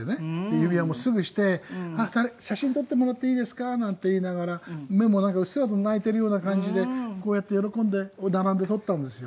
指輪もすぐして「写真撮ってもらっていいですか？」なんて言いながら目もなんかうっすらと泣いてるような感じでこうやって喜んで並んで撮ったんですよ。